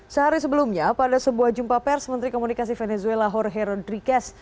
sehari sebelumnya pada sebuah jumpa pers menteri komunikasi venezuela jorhero drikes